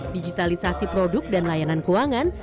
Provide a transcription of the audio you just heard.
digitalisasi produk dan layanan keuangan